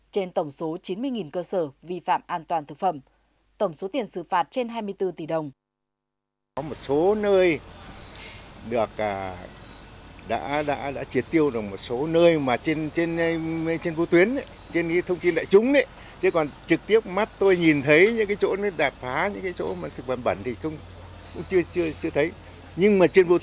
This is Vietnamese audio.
trên tổng số chín mươi cơ sở vi phạm an toàn thực phẩm tổng số tiền xử phạt trên hai mươi bốn tỷ đồng